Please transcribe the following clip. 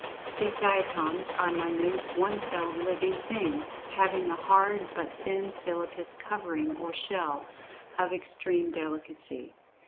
These "Diatoms" are minute one celled living "Things," having a hard but thin siliceous covering or shell, of extreme delicacy.